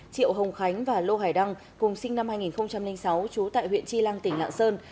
triệu hồng khánh và lô hải đăng cùng sinh năm hai nghìn sáu trú tại huyện chi lăng tỉnh lạng sơn